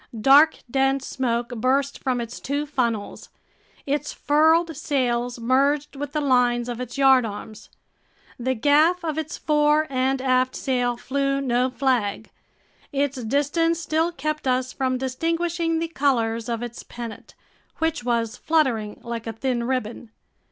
Dark, dense smoke burst from its two funnels. Its furled sails merged with the lines of its yardarms. The gaff of its fore and aft sail flew no flag. Its distance still kept us from distinguishing the colors of its pennant, which was fluttering like a thin ribbon.